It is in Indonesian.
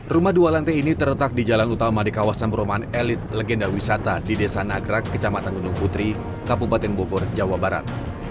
rumah dua lantai ini terletak di jalan utama di kawasan perumahan elit legenda wisata di desa nagrak kecamatan gunung putri kabupaten bogor jawa barat